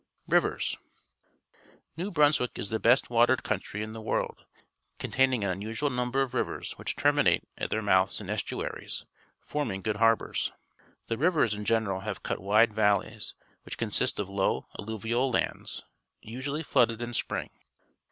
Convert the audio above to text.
Rivers. — New B runswick is the best \vatered couniryJn the world, containmg an unusual number of rivers wliich terminate at their mouths in estuaries, forming good The Valley of the St. John River, Evandale harbours. The rivers, in general, have cut wide valleys, which consist of low, alluvial lands, usually flooded in .spring.